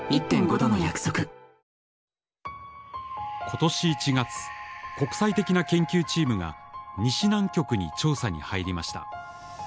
今年１月国際的な研究チームが西南極に調査に入りました。